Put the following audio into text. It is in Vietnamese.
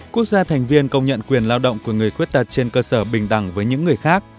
quốc gia thành viên công nhận quyền lao động của người khuyết tật trên cơ sở bình đẳng với những người khác